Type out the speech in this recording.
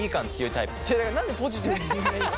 何でポジティブにみんな言うの？